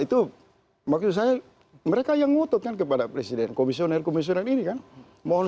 itu maksud saya mereka yang ngotot kan kepada presiden komisioner komisioner ini kan mohon